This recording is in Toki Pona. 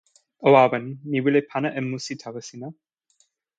o awen, mi wile pana e musi tawa sina.